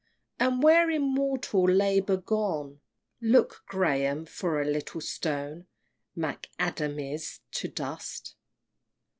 And where is mortal labor gone? Look, Graham, for a little stone Mac Adamiz'd to dust!